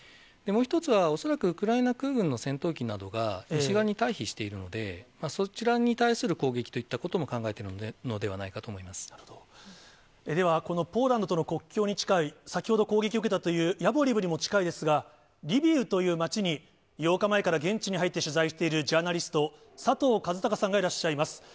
もう１つは恐らく、ウクライナ空軍の戦闘機などが、西側に退避しているので、そちらに対する攻撃といったことも考えているのではないかと思いでは、このポーランドとの国境に近い、先ほど攻撃を受けたというヤボリブにも近いですが、リビウという街に、８日前から現地に入って取材しているジャーナリスト、佐藤和孝さんがいらっしゃいます。